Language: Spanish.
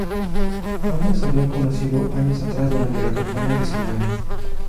Ambos se habían conocido años atrás durante la campaña de Sudán.